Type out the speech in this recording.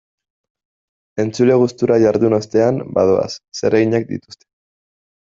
Entzule gustura jardun ostean, badoaz, zereginak dituzte.